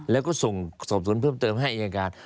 แล้วก็ส่งสอบสวนเพิ่มเติมให้อายการ